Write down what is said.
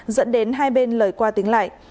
dẫn đến hai bên lời qua tính lại